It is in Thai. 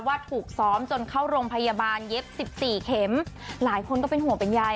ว่าถูกซ้อมจนเข้าโรงพยาบาลเย็บสิบสี่เข็มหลายคนก็เป็นห่วงเป็นใย